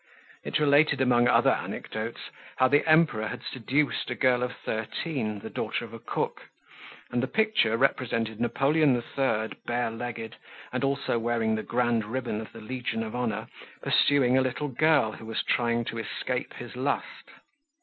It related, among other anecdotes, how the Emperor had seduced a girl of thirteen, the daughter of a cook; and the picture represented Napoleon III., bare legged, and also wearing the grand ribbon of the Legion of Honor, pursuing a little girl who was trying to escape his lust.